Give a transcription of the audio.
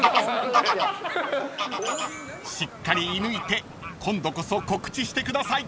［しっかり射抜いて今度こそ告知してください］